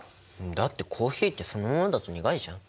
だってコーヒーってそのままだと苦いじゃん。